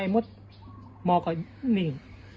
หมอก็นี